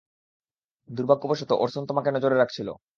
দুর্ভাগ্যবশত, ওরসন তোমাকে নজরে রাখছিল।